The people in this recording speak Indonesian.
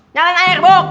nyalain air bok